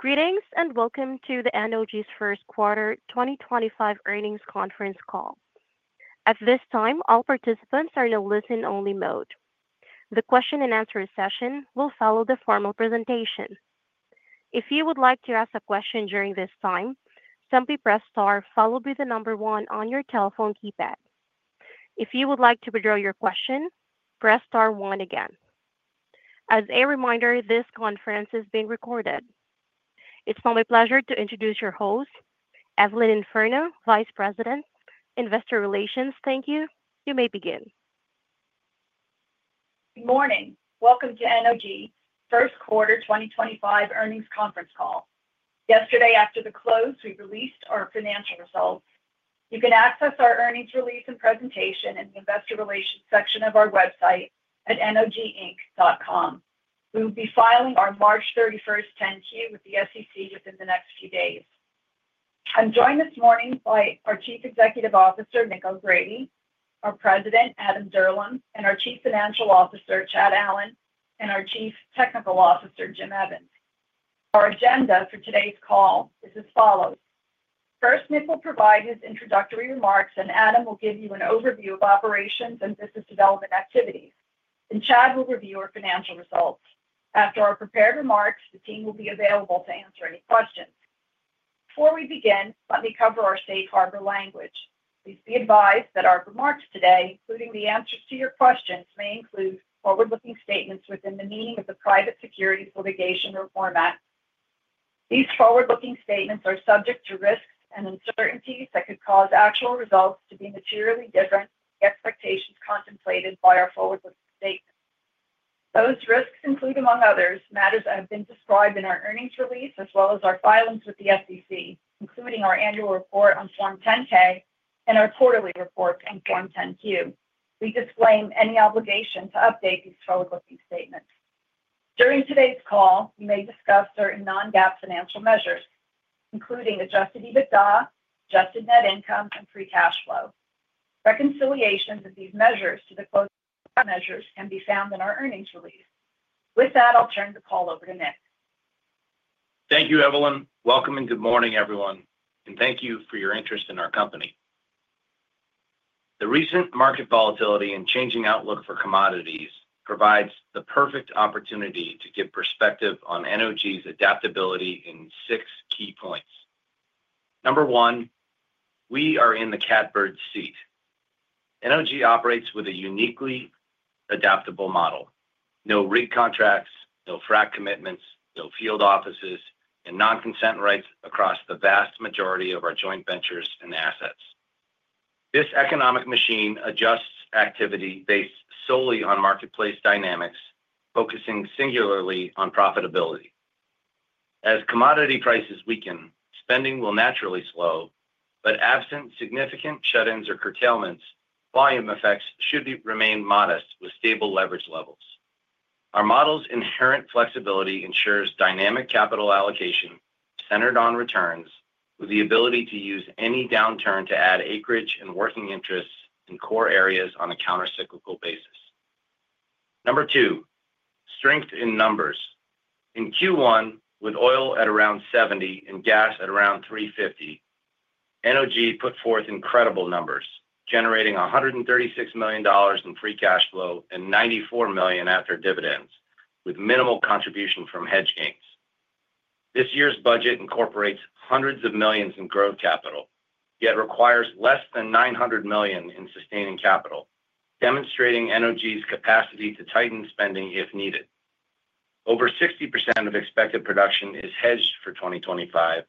Greetings and welcome to the Northern Oil and Gas first quarter 2025 earnings conference call. At this time, all participants are in a listen-only mode. The question-and-answer session will follow the formal presentation. If you would like to ask a question during this time, simply press star followed by the number one on your telephone keypad. If you would like to withdraw your question, press star one again. As a reminder, this conference is being recorded. It's my pleasure to introduce your host, Evelyn Infurna, Vice President, Investor Relations. Thank you. You may begin. Good morning. Welcome to Northern Oil and Gas' first quarter 2025 earnings conference call. Yesterday, after the close, we released our financial results. You can access our earnings release and presentation in the Investor Relations section of our website at northernoil.com. We will be filing our March 31st 10Q with the SEC within the next few days. I'm joined this morning by our Chief Executive Officer, Nick O'Grady, our President, Adam Dirlam, our Chief Financial Officer, Chad Allen, and our Chief Technical Officer, Jim Evans. Our agenda for today's call is as follows. First, Nick will provide his introductory remarks, Adam will give you an overview of operations and business development activities, and Chad will review our financial results. After our prepared remarks, the team will be available to answer any questions. Before we begin, let me cover our safe harbor language. Please be advised that our remarks today, including the answers to your questions, may include forward-looking statements within the meaning of the Private Securities Litigation Reform Act. These forward-looking statements are subject to risks and uncertainties that could cause actual results to be materially different from the expectations contemplated by our forward-looking statements. Those risks include, among others, matters that have been described in our earnings release as well as our filings with the SEC, including our annual report on Form 10-K and our quarterly report on Form 10-Q. We disclaim any obligation to update these forward-looking statements. During today's call, we may discuss certain non-GAAP financial measures, including adjusted EBITDA, adjusted net income, and free cash flow. Reconciliations of these measures to the closest measures can be found in our earnings release. With that, I'll turn the call over to Nick. Thank you, Evelyn. Welcome and good morning, everyone, and thank you for your interest in our company. The recent market volatility and changing outlook for commodities provides the perfect opportunity to give perspective on NOG's adaptability in six key points. Number one, we are in the catbird's seat. NOG operates with a uniquely adaptable model: no rigged contracts, no frac commitments, no field offices, and non-consent rights across the vast majority of our joint ventures and assets. This economic machine adjusts activity based solely on marketplace dynamics, focusing singularly on profitability. As commodity prices weaken, spending will naturally slow, but absent significant shut-ins or curtailments, volume effects should remain modest with stable leverage levels. Our model's inherent flexibility ensures dynamic capital allocation centered on returns, with the ability to use any downturn to add acreage and working interests in core areas on a countercyclical basis. Number two, strength in numbers. In Q1, with oil at around $70 and gas at around $3.50, Northern Oil and Gas put forth incredible numbers, generating $136 million in free cash flow and $94 million after dividends, with minimal contribution from hedge gains. This year's budget incorporates hundreds of millions in growth capital, yet requires less than $900 million in sustaining capital, demonstrating Northern Oil and Gas's capacity to tighten spending if needed. Over 60% of expected production is hedged for 2025,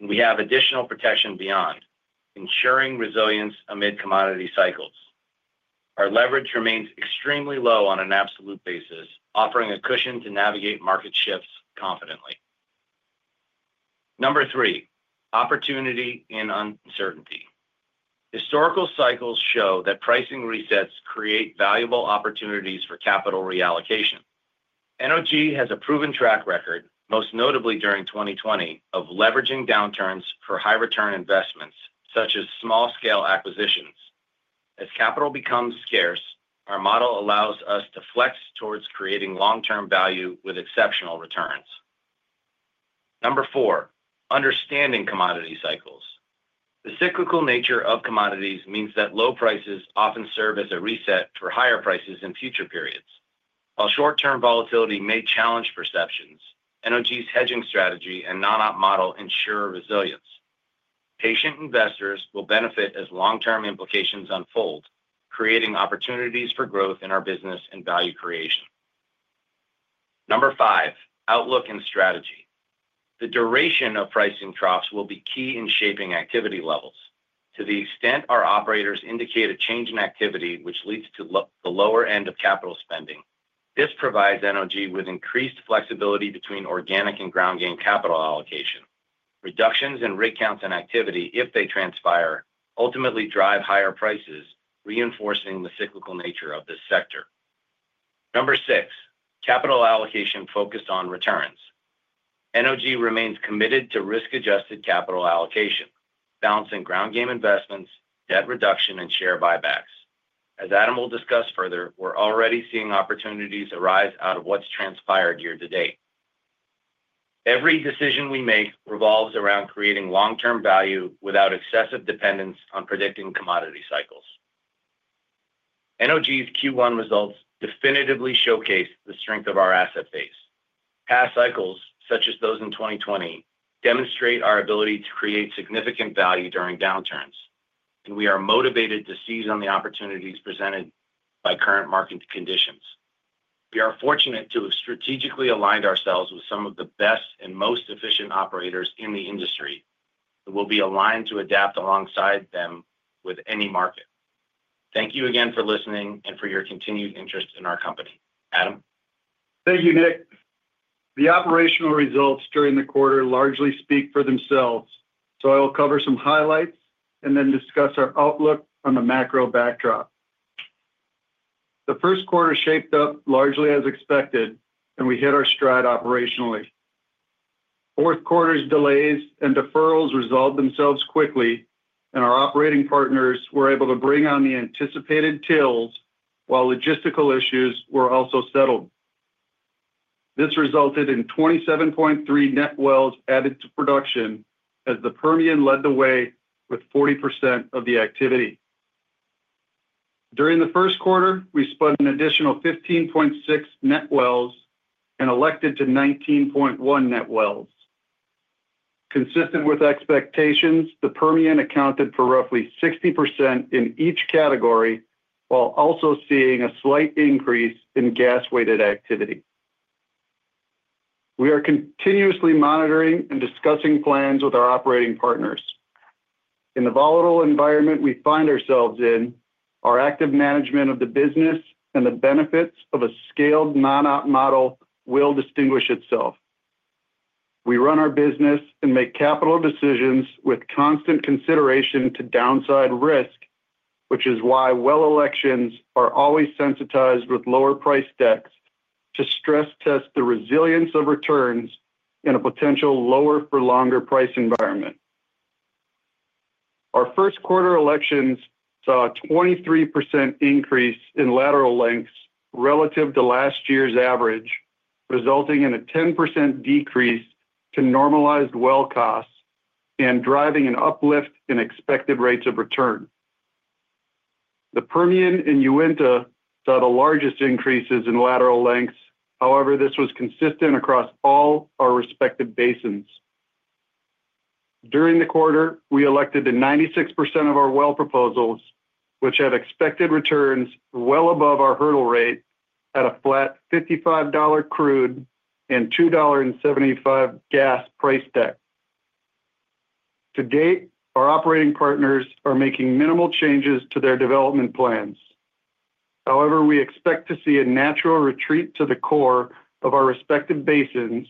and we have additional protection beyond, ensuring resilience amid commodity cycles. Our leverage remains extremely low on an absolute basis, offering a cushion to navigate market shifts confidently. Number three, opportunity in uncertainty. Historical cycles show that pricing resets create valuable opportunities for capital reallocation. Northern Oil and Gas has a proven track record, most notably during 2020, of leveraging downturns for high-return investments, such as small-scale acquisitions. As capital becomes scarce, our model allows us to flex towards creating long-term value with exceptional returns. Number four, understanding commodity cycles. The cyclical nature of commodities means that low prices often serve as a reset for higher prices in future periods. While short-term volatility may challenge perceptions, Northern Oil and Gas's hedging strategy and non-op model ensure resilience. Patient investors will benefit as long-term implications unfold, creating opportunities for growth in our business and value creation. Number five, outlook and strategy. The duration of pricing drops will be key in shaping activity levels. To the extent our operators indicate a change in activity, which leads to the lower end of capital spending, this provides Northern Oil and Gas with increased flexibility between organic and ground-gain capital allocation. Reductions in rig counts and activity, if they transpire, ultimately drive higher prices, reinforcing the cyclical nature of this sector. Number six, capital allocation focused on returns. Northern Oil and Gas remains committed to risk-adjusted capital allocation, balancing ground-game investments, debt reduction, and share buybacks. As Adam will discuss further, we're already seeing opportunities arise out of what's transpired year to date. Every decision we make revolves around creating long-term value without excessive dependence on predicting commodity cycles. Northern Oil and Gas's Q1 results definitively showcase the strength of our asset base. Past cycles, such as those in 2020, demonstrate our ability to create significant value during downturns, and we are motivated to seize on the opportunities presented by current market conditions. We are fortunate to have strategically aligned ourselves with some of the best and most efficient operators in the industry and will be aligned to adapt alongside them with any market. Thank you again for listening and for your continued interest in our company. Adam. Thank you, Nick. The operational results during the quarter largely speak for themselves, so I will cover some highlights and then discuss our outlook on the macro backdrop. The first quarter shaped up largely as expected, and we hit our stride operationally. Fourth quarter's delays and deferrals resolved themselves quickly, and our operating partners were able to bring on the anticipated TILs while logistical issues were also settled. This resulted in 27.3 net wells added to production as the Permian led the way with 40% of the activity. During the first quarter, we spun an additional 15.6 net wells and elected to 19.1 net wells. Consistent with expectations, the Permian accounted for roughly 60% in each category while also seeing a slight increase in gas-weighted activity. We are continuously monitoring and discussing plans with our operating partners. In the volatile environment we find ourselves in, our active management of the business and the benefits of a scaled non-op model will distinguish itself. We run our business and make capital decisions with constant consideration to downside risk, which is why well elections are always sensitized with lower price decks to stress test the resilience of returns in a potential lower-for-longer price environment. Our first quarter elections saw a 23% increase in lateral lengths relative to last year's average, resulting in a 10% decrease to normalized well costs and driving an uplift in expected rates of return. The Permian and Uinta saw the largest increases in lateral lengths; however, this was consistent across all our respective basins. During the quarter, we elected to 96% of our well proposals, which had expected returns well above our hurdle rate, at a flat $55 crude and $2.75 gas price deck. To date, our operating partners are making minimal changes to their development plans. However, we expect to see a natural retreat to the core of our respective basins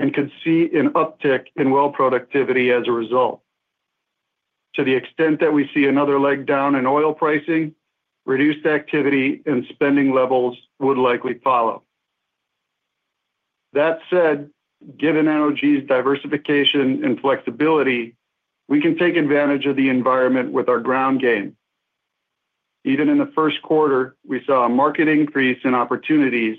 and could see an uptick in well productivity as a result. To the extent that we see another leg down in oil pricing, reduced activity and spending levels would likely follow. That said, given Northern Oil and Gas's diversification and flexibility, we can take advantage of the environment with our ground game. Even in the first quarter, we saw a marked increase in opportunities,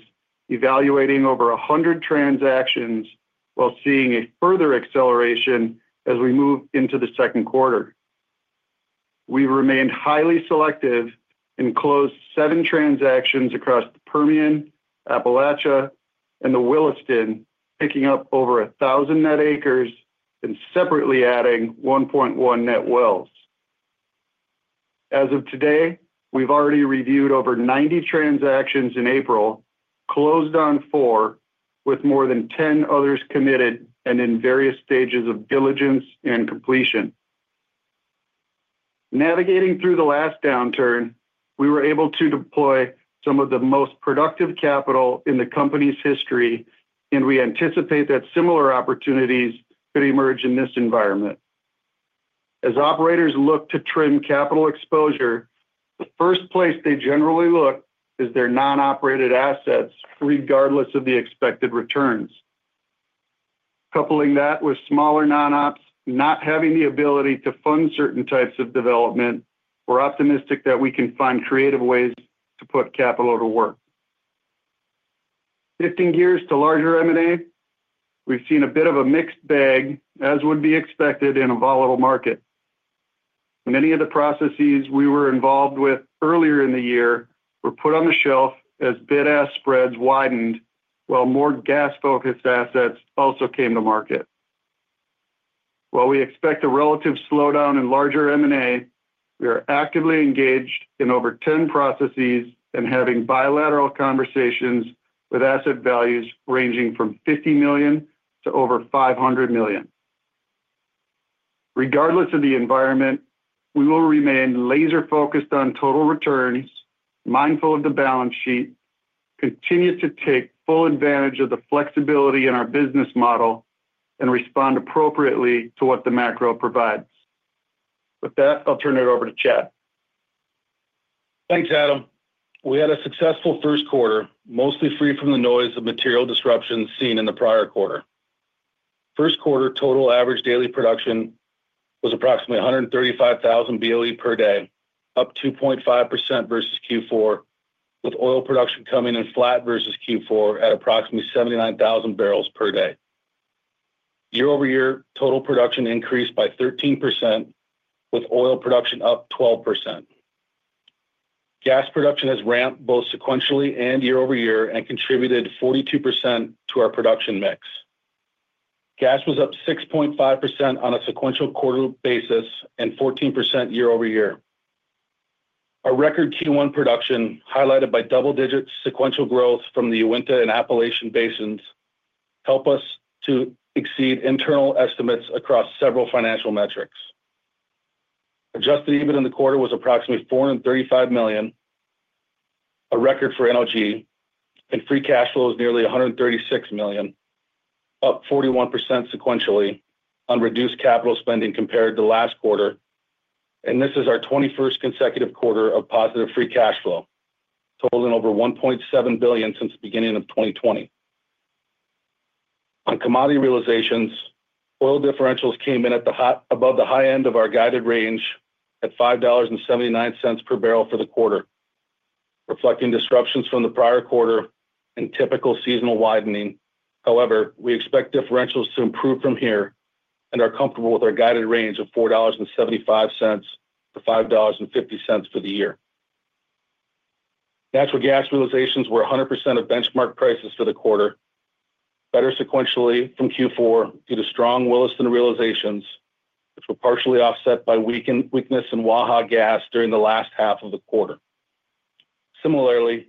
evaluating over 100 transactions while seeing a further acceleration as we move into the second quarter. We remained highly selective and closed seven transactions across the Permian, Appalachia, and the Williston, picking up over 1,000 net acres and separately adding 1.1 net wells. As of today, we've already reviewed over 90 transactions in April, closed on four, with more than 10 others committed and in various stages of diligence and completion. Navigating through the last downturn, we were able to deploy some of the most productive capital in the company's history, and we anticipate that similar opportunities could emerge in this environment. As operators look to trim capital exposure, the first place they generally look is their non-operated assets, regardless of the expected returns. Coupling that with smaller non-ops not having the ability to fund certain types of development, we're optimistic that we can find creative ways to put capital to work. Shifting gears to larger M&A, we've seen a bit of a mixed bag, as would be expected in a volatile market. Many of the processes we were involved with earlier in the year were put on the shelf as bid-ask spreads widened while more gas-focused assets also came to market. While we expect a relative slowdown in larger M&A, we are actively engaged in over 10 processes and having bilateral conversations with asset values ranging from $50 million to over $500 million. Regardless of the environment, we will remain laser-focused on total returns, mindful of the balance sheet, continue to take full advantage of the flexibility in our business model, and respond appropriately to what the macro provides. With that, I'll turn it over to Chad. Thanks, Adam. We had a successful first quarter, mostly free from the noise of material disruptions seen in the prior quarter. First quarter total average daily production was approximately 135,000 BOE per day, up 2.5% versus Q4, with oil production coming in flat versus Q4 at approximately 79,000 bbl per day. Year-over-year total production increased by 13%, with oil production up 12%. Gas production has ramped both sequentially and year-over-year and contributed 42% to our production mix. Gas was up 6.5% on a sequential quarter basis and 14% year-over-year. Our record Q1 production, highlighted by double-digit sequential growth from the Uinta and Appalachian basins, helped us to exceed internal estimates across several financial metrics. Adjusted EBIT in the quarter was approximately $435 million, a record for Northern Oil and Gas, and free cash flow was nearly $136 million, up 41% sequentially on reduced capital spending compared to last quarter. This is our 21st consecutive quarter of positive free cash flow, totaling over $1.7 billion since the beginning of 2020. On commodity realizations, oil differentials came in above the high end of our guided range at $5.79 per barrel for the quarter, reflecting disruptions from the prior quarter and typical seasonal widening. However, we expect differentials to improve from here and are comfortable with our guided range of $4.75-$5.50 for the year. Natural gas realizations were 100% of benchmark prices for the quarter, better sequentially from Q4 due to strong Williston realizations, which were partially offset by weakness in Waha gas during the last half of the quarter. Similarly,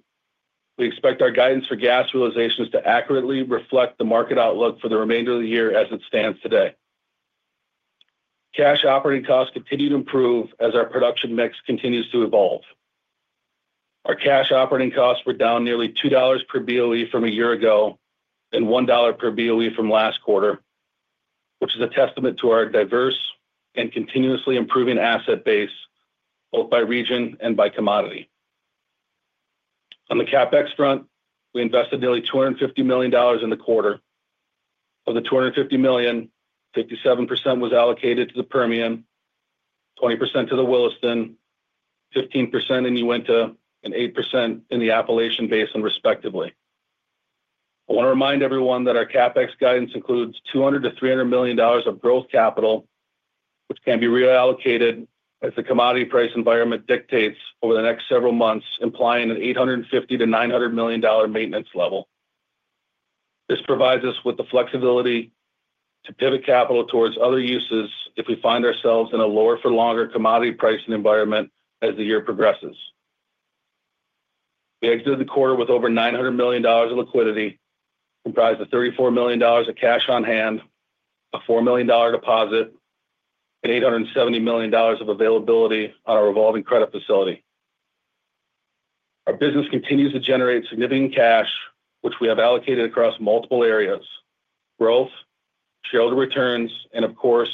we expect our guidance for gas realizations to accurately reflect the market outlook for the remainder of the year as it stands today. Cash operating costs continue to improve as our production mix continues to evolve. Our cash operating costs were down nearly $2 per BOE from a year ago and $1 per BOE from last quarter, which is a testament to our diverse and continuously improving asset base, both by region and by commodity. On the CapEx front, we invested nearly $250 million in the quarter. Of the $250 million, 57% was allocated to the Permian, 20% to the Williston, 15% in Uinta, and 8% in the Appalachian Basin, respectively. I want to remind everyone that our CapEx guidance includes $200 million-$300 million of growth capital, which can be reallocated as the commodity price environment dictates over the next several months, implying an $850 million-$900 million maintenance level. This provides us with the flexibility to pivot capital towards other uses if we find ourselves in a lower-for-longer commodity pricing environment as the year progresses. We exited the quarter with over $900 million of liquidity, comprised of $34 million of cash on hand, a $4 million deposit, and $870 million of availability on our revolving credit facility. Our business continues to generate significant cash, which we have allocated across multiple areas: growth, shareholder returns, and, of course,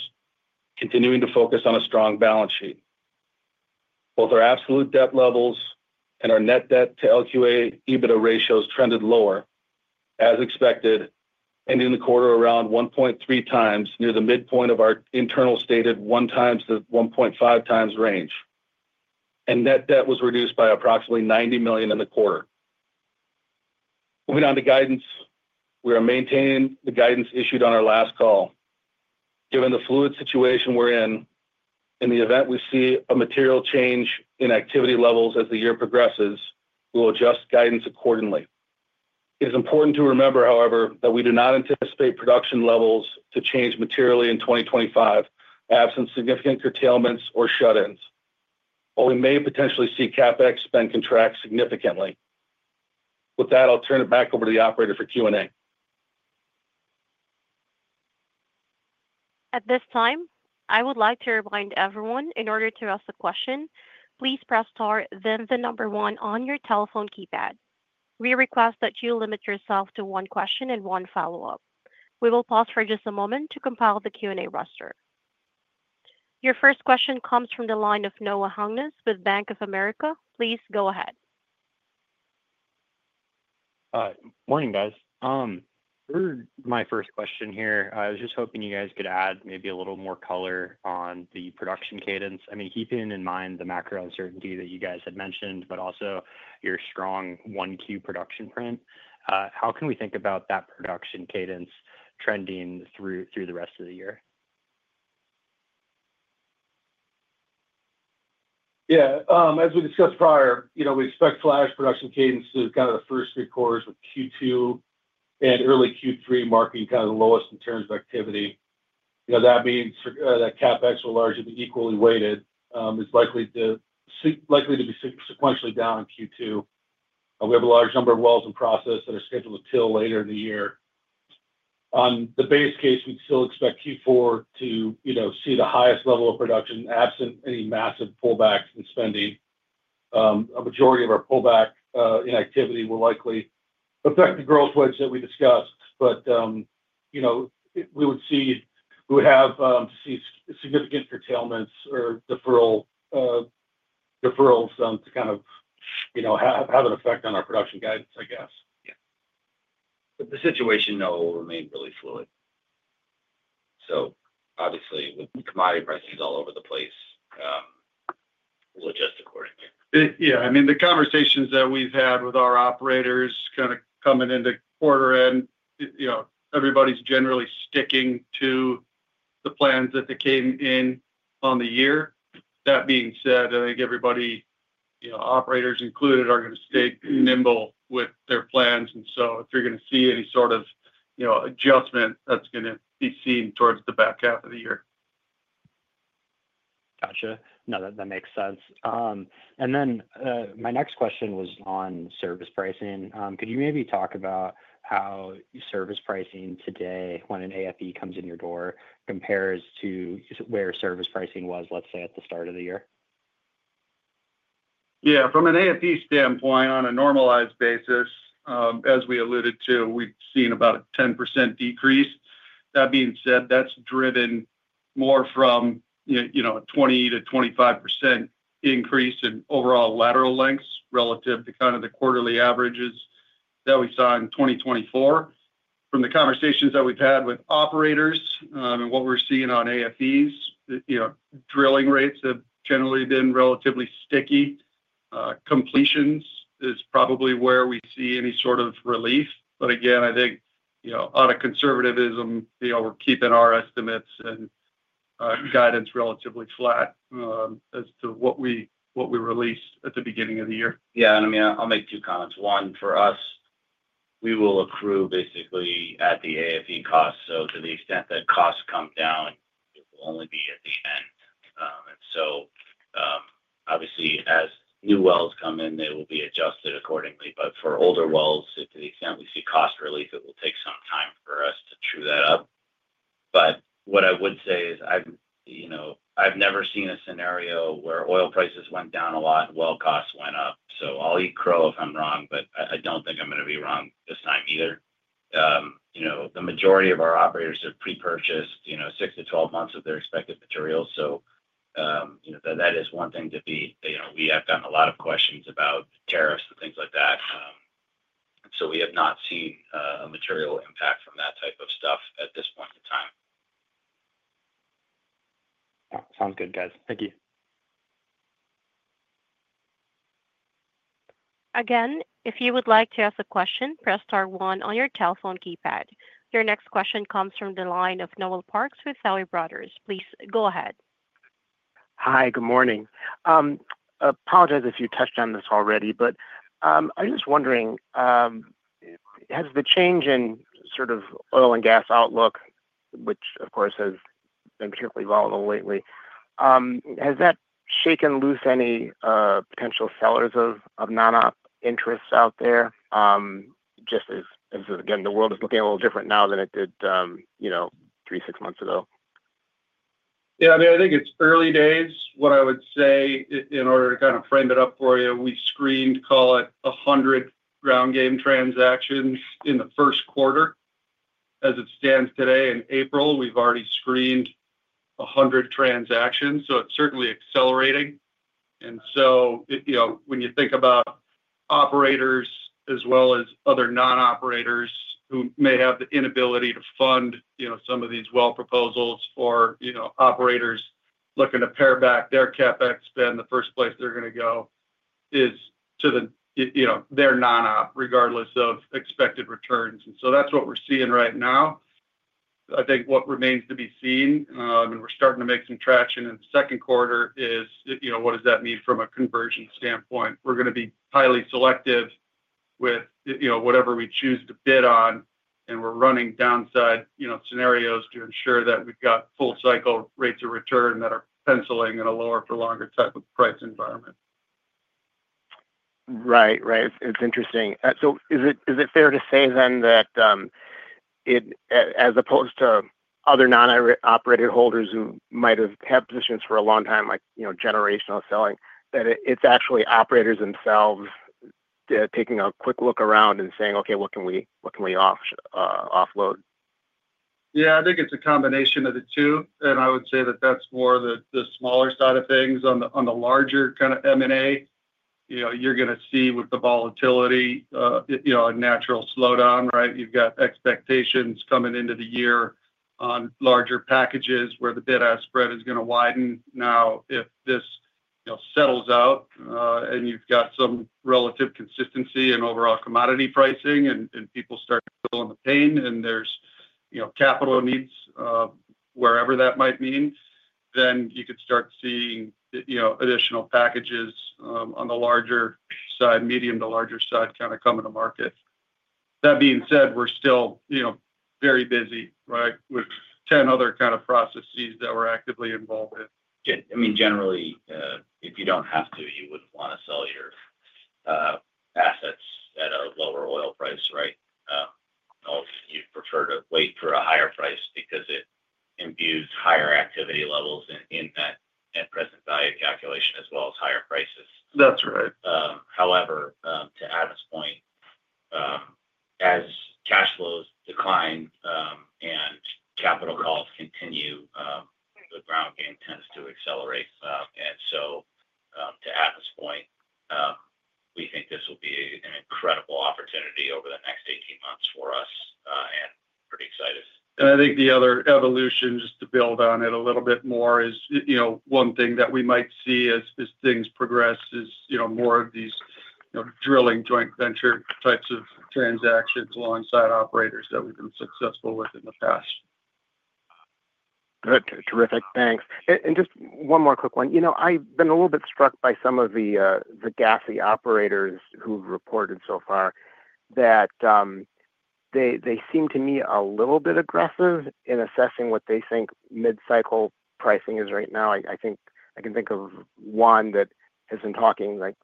continuing to focus on a strong balance sheet. Both our absolute debt levels and our net debt to LQA EBITDA ratios trended lower, as expected, ending the quarter around 1.3x, near the midpoint of our internal stated 1x-1.5x range. Net debt was reduced by approximately $90 million in the quarter. Moving on to guidance, we are maintaining the guidance issued on our last call. Given the fluid situation we're in, in the event we see a material change in activity levels as the year progresses, we will adjust guidance accordingly. It is important to remember, however, that we do not anticipate production levels to change materially in 2025, absent significant curtailments or shut-ins. While we may potentially see CapEx spend contract significantly. With that, I'll turn it back over to the operator for Q&A. At this time, I would like to remind everyone, in order to ask a question, please press star, then the number one on your telephone keypad. We request that you limit yourself to one question and one follow-up. We will pause for just a moment to compile the Q&A roster. Your first question comes from the line of Noah Hungness with Bank of America. Please go ahead. Morning, guys. For my first question here, I was just hoping you guys could add maybe a little more color on the production cadence. I mean, keeping in mind the macro uncertainty that you guys had mentioned, but also your strong one-Q production print, how can we think about that production cadence trending through the rest of the year? Yeah. As we discussed prior, we expect flash production cadence through kind of the first three quarters, with Q2 and early Q3 marking kind of the lowest in terms of activity. That means that CapEx will largely be equally weighted. It's likely to be sequentially down in Q2. We have a large number of wells in process that are scheduled to till later in the year. On the base case, we'd still expect Q4 to see the highest level of production, absent any massive pullbacks in spending. A majority of our pullback in activity will likely affect the growth wedge that we discussed, but we would have to see significant curtailments or deferrals to kind of have an effect on our production guidance, I guess. Yeah. The situation, though, will remain really fluid. Obviously, with commodity prices all over the place, we'll adjust accordingly. Yeah. I mean, the conversations that we've had with our operators kind of coming into quarter end, everybody's generally sticking to the plans that they came in on the year. That being said, I think everybody, operators included, are going to stay nimble with their plans. If you're going to see any sort of adjustment, that's going to be seen towards the back half of the year. Gotcha. No, that makes sense. My next question was on service pricing. Could you maybe talk about how service pricing today, when an AFE comes in your door, compares to where service pricing was, let's say, at the start of the year? Yeah. From an AFE standpoint, on a normalized basis, as we alluded to, we've seen about a 10% decrease. That being said, that's driven more from a 20%-25% increase in overall lateral lengths relative to kind of the quarterly averages that we saw in 2024. From the conversations that we've had with operators and what we're seeing on AFEs, drilling rates have generally been relatively sticky. Completions is probably where we see any sort of relief. Again, I think out of conservatism, we're keeping our estimates and guidance relatively flat as to what we released at the beginning of the year. Yeah. I mean, I'll make two comments. One, for us, we will accrue basically at the AFE cost. To the extent that costs come down, it will only be at the end. Obviously, as new wells come in, they will be adjusted accordingly. For older wells, to the extent we see cost relief, it will take some time for us to true that up. What I would say is I've never seen a scenario where oil prices went down a lot and well costs went up. I'll eat crow if I'm wrong, but I don't think I'm going to be wrong this time either. The majority of our operators are pre-purchased six to 12 months of their expected materials. That is one thing to be. We have gotten a lot of questions about tariffs and things like that. We have not seen a material impact from that type of stuff at this point in time. Sounds good, guys. Thank you. Again, if you would like to ask a question, press star one on your telephone keypad. Your next question comes from the line of Noel Parks with Tuohy Brothers. Please go ahead. Hi. Good morning. Apologize if you touched on this already, but I'm just wondering, has the change in sort of oil and gas outlook, which, of course, has been particularly volatile lately, has that shaken loose any potential sellers of non-op interests out there? Just as, again, the world is looking a little different now than it did three, six months ago. Yeah. I mean, I think it's early days. What I would say in order to kind of frame it up for you, we screened, call it, 100 ground game transactions in the first quarter. As it stands today in April, we've already screened 100 transactions. It is certainly accelerating. When you think about operators as well as other non-operators who may have the inability to fund some of these well proposals or operators looking to pare back their CapEx spend, the first place they're going to go is to their non-op, regardless of expected returns. That is what we're seeing right now. I think what remains to be seen, and we're starting to make some traction in the second quarter, is what does that mean from a conversion standpoint? We're going to be highly selective with whatever we choose to bid on, and we're running downside scenarios to ensure that we've got full-cycle rates of return that are penciling in a lower-for-longer type of price environment. Right. Right. It's interesting. Is it fair to say then that as opposed to other non-operated holders who might have had positions for a long time, like generational selling, that it's actually operators themselves taking a quick look around and saying, "Okay, what can we offload? Yeah. I think it's a combination of the two. I would say that that's more the smaller side of things. On the larger kind of M&A, you're going to see with the volatility a natural slowdown, right? You've got expectations coming into the year on larger packages where the bid-ask spread is going to widen. Now, if this settles out and you've got some relative consistency in overall commodity pricing and people start feeling the pain and there's capital needs wherever that might mean, you could start seeing additional packages on the larger side, medium to larger side, kind of come into market. That being said, we're still very busy, right, with 10 other kind of processes that we're actively involved in. I mean, generally, if you do not have to, you would not want to sell your assets at a lower oil price, right? You would prefer to wait for a higher price because it imbues higher activity levels in that present value calculation as well as higher prices. That's right. However, to Adam's point, as cash flows decline and capital calls continue, the ground game tends to accelerate. To Adam's point, we think this will be an incredible opportunity over the next 18 months for us and pretty excited. I think the other evolution, just to build on it a little bit more, is one thing that we might see as things progress is more of these drilling joint venture types of transactions alongside operators that we've been successful with in the past. Good. Terrific. Thanks. Just one more quick one. I've been a little bit struck by some of the gas operators who've reported so far that they seem to me a little bit aggressive in assessing what they think mid-cycle pricing is right now. I can think of one that has been talking like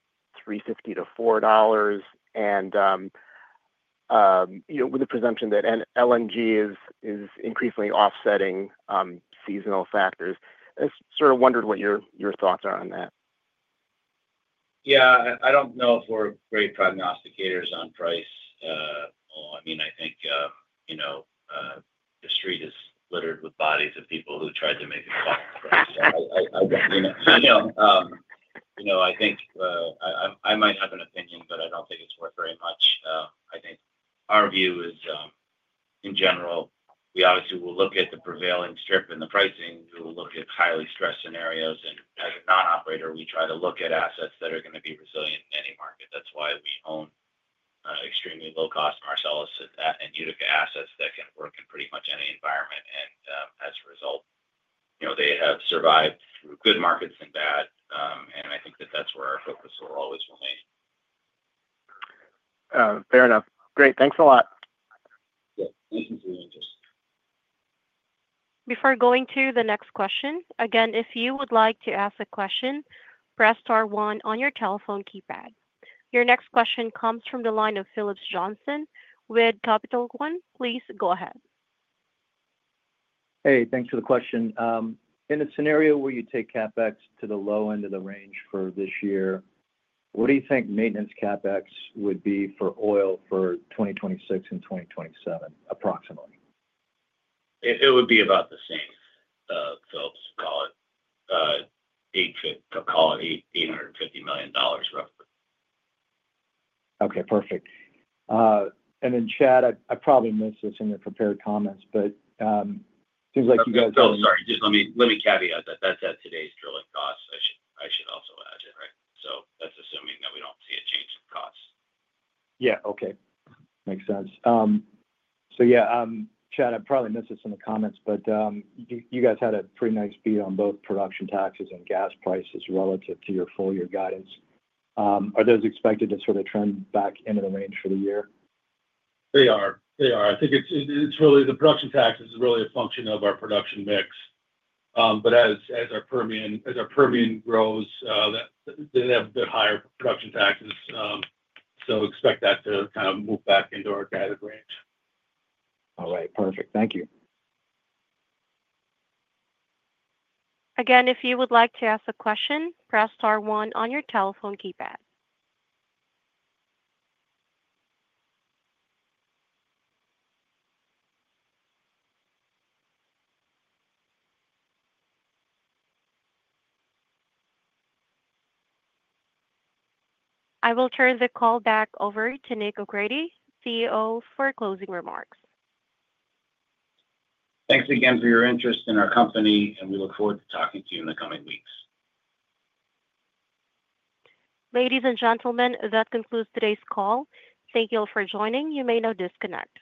$3.50-$4 and with the presumption that LNG is increasingly offsetting seasonal factors. I sort of wondered what your thoughts are on that. Yeah. I don't know if we're great prognosticators on price. I mean, I think the street is littered with bodies of people who tried to make a call. I mean, I think I might have an opinion, but I don't think it's worth very much. I think our view is, in general, we obviously will look at the prevailing strip and the pricing. We will look at highly stressed scenarios. As a non-operator, we try to look at assets that are going to be resilient in any market. That's why we own extremely low-cost Marcellus and Utica assets that can work in pretty much any environment. As a result, they have survived through good markets and bad. I think that that's where our focus will always remain. Fair enough. Great. Thanks a lot. Yeah. Thank you for your interest. Before going to the next question, again, if you would like to ask a question, press star one on your telephone keypad. Your next question comes from the line of Phillips Johnston with Capital One. Please go ahead. Hey, thanks for the question. In a scenario where you take CapEx to the low end of the range for this year, what do you think maintenance CapEx would be for oil for 2026 and 2027, approximately? It would be about the same, Phillips, call it $850 million roughly. Okay. Perfect. Chad, I probably missed this in your prepared comments, but it seems like you guys have. No, sorry. Just let me caveat that. That's at today's drilling costs. I should also add it, right? So that's assuming that we don't see a change in costs. Yeah. Okay. Makes sense. Yeah, Chad, I probably missed this in the comments, but you guys had a pretty nice beat on both production taxes and gas prices relative to your full-year guidance. Are those expected to sort of trend back into the range for the year? They are. They are. I think it's really the production taxes is really a function of our production mix. As our Permian grows, they have a bit higher production taxes. Expect that to kind of move back into our guided range. All right. Perfect. Thank you. Again, if you would like to ask a question, press star one on your telephone keypad. I will turn the call back over to Nick O'Grady, CEO, for closing remarks. Thanks again for your interest in our company, and we look forward to talking to you in the coming weeks. Ladies and gentlemen, that concludes today's call. Thank you all for joining. You may now disconnect.